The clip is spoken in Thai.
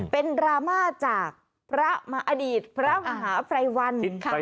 เป็นดราม่าจากพระมหาภัยวัล